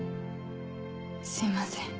すいません。